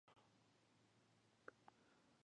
منډه د روغ ژوند اساس ده